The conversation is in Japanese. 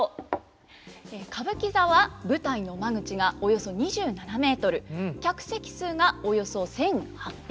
歌舞伎座は舞台の間口がおよそ２７ｍ客席数がおよそ１，８００です。